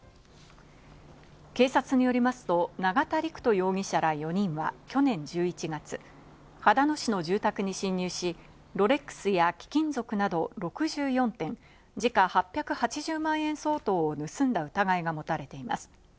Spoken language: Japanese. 警察によりますと、永田陸人容疑者ら４人は去年１１月、秦野市の住宅に侵入し、ロレックスや貴金属など６４点、時価８８０万円相当を盗んだ疑いが持たれています。